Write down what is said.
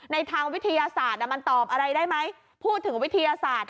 ทางวิทยาศาสตร์มันตอบอะไรได้ไหมพูดถึงวิทยาศาสตร์